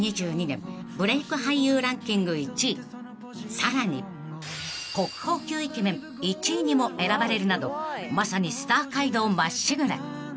［さらに国宝級イケメン１位にも選ばれるなどまさにスター街道まっしぐら］